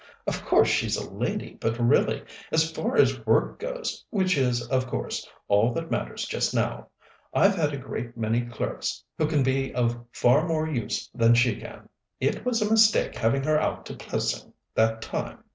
"Of course she's a lady, but really, as far as work goes which is, of course, all that matters just now I've had a great many clerks who can be of far more use than she can. It was a mistake having her out to Plessing that time."